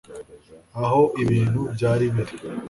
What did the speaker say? aho ibintu byari biri